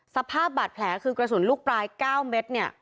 สภาพบาดแผลคือกระสุนลูกปลาย๙เม็ดเนี่ย